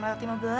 ya itu dong